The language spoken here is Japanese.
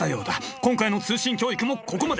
今回の通信教育もここまで。